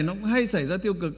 nó cũng hay xảy ra tiêu cực